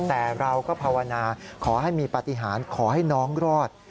แต่เราก็ภาวนาขอให้มีปฏิหารขอให้น้องรอด